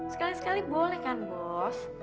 sekali sekali boleh kan bos